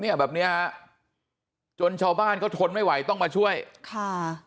แบบเนี้ยจนชาวบ้านเขาทนไม่ไหวต้องมาช่วยค่ะ